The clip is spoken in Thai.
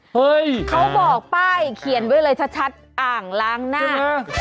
เขาบอกป้ายเขียนไว้เลยชัดอ่างล้างหน้า